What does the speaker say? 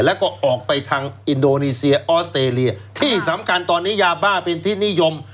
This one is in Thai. แล้วก็ออกไปทางอินโดนีเซียออสเตรเลียที่สำคัญตอนนี้ยาบ้าเป็นที่นิยม